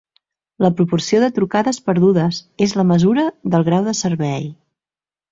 La proporció de trucades perdudes és la mesura del grau de servei.